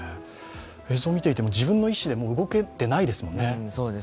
映像を見ていても自分の意思で動けていないですもんね。